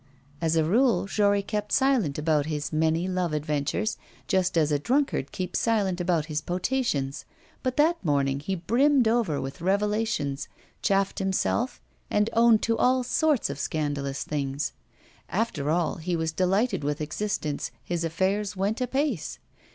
As a rule, Jory kept silent about his many love adventures, just as a drunkard keeps silent about his potations. But that morning he brimmed over with revelations, chaffed himself and owned to all sorts of scandalous things. After all he was delighted with existence, his affairs went apace.